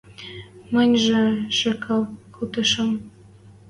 Мӹньжӹ шӹкӓл колтышым.